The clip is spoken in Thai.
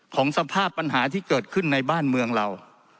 สภาพปัญหาที่เกิดขึ้นในบ้านเมืองเรา